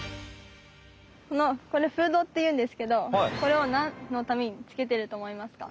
このこのフードっていうんですけどこれをなんのためにつけてるとおもいますか？